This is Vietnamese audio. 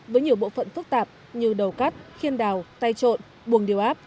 với nhiều bộ phận phức tạp như đầu cắt khiên đào tay trộn buồng điều áp